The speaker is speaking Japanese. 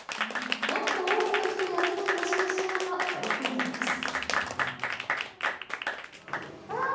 もっと多くの人が集まる場所にしようと取り組んでいます。